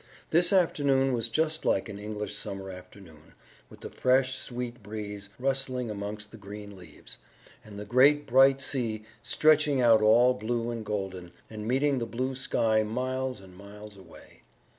This afternoon was just like an English summer afternoon, with the fresh sweet breeze rustling amongst the green leaves, and the great bright sea stretching out all blue and golden, and meeting the blue sky miles and miles away.